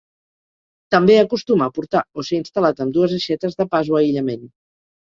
També acostuma a portar o ser instal·lat amb dues aixetes de pas o aïllament.